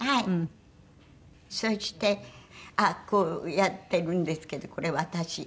そしてこうやってるんですけどこれ私。